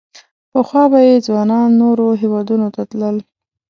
پخوا به یې ځوانان نورو هېوادونو ته تلل.